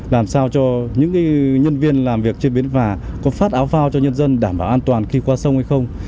làm sao cho những nhân viên làm việc trên bến phà có phát áo phao cho nhân dân đảm bảo an toàn khi qua sông hay không